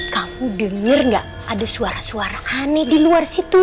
kamu dengar gak ada suara suara aneh di luar situ